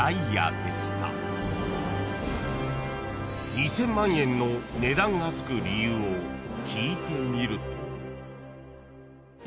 ［２，０００万円の値段が付く理由を聞いてみると］